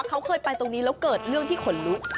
เขาเคยไปตรงนี้แล้วเกิดเรื่องที่ขนลุก